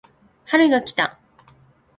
春が来た